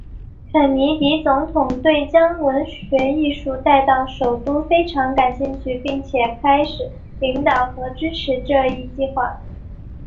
肯尼迪总统对将文学艺术带到首都非常感兴趣并且开始领导和支持这一计划。